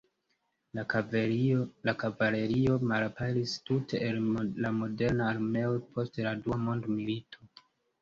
La kavalerio malaperis tute el la moderna armeo post la Dua Mondmilito.